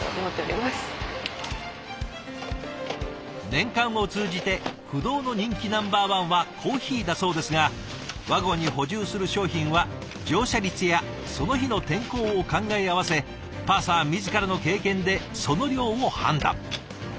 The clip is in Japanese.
年間を通じて不動の人気ナンバーワンはコーヒーだそうですがワゴンに補充する商品は乗車率やその日の天候を考え合わせパーサー自らの経験でその量を判断。